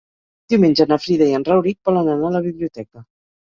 Diumenge na Frida i en Rauric volen anar a la biblioteca.